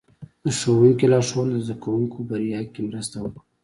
د ښوونکي لارښوونه د زده کوونکو بریا کې مرسته وکړه.